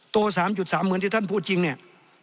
๓๓เหมือนที่ท่านพูดจริงเนี่ย